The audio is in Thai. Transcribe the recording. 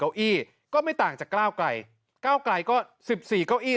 เก้าอี้ก็ไม่ต่างจากก้าวไกลก้าวไกลก็สิบสี่เก้าอี้